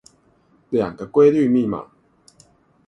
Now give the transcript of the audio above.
兩個規律密碼